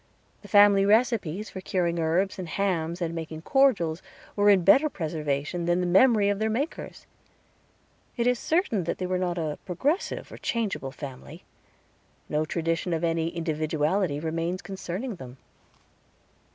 The family recipes for curing herbs and hams, and making cordials, were in better preservation than the memory of their makers. It is certain that they were not a progressive or changeable family. No tradition of any individuality remains concerning them.